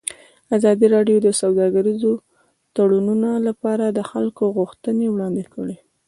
ازادي راډیو د سوداګریز تړونونه لپاره د خلکو غوښتنې وړاندې کړي.